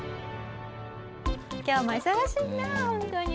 今日も忙しいなホントに。